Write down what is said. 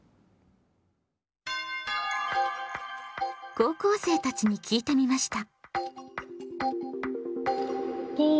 高校生たちに聞いてみました。